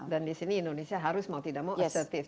dan di sini indonesia harus mau tidak mau assertif